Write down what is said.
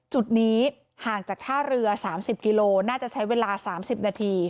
จุดนี้ห่างจากท่าเรือ๓๐กิโลน่าจะใช้เวลา๓๐นาที